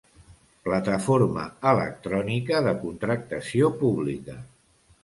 Plataforma electrònica de contractació pública.